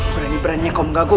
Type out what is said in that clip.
berani berani kau mengganggu